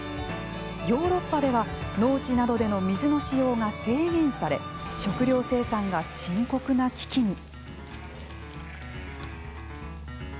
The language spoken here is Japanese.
ヨーロッパでは農地などでの水の使用が制限され食糧生産が深刻な危機に。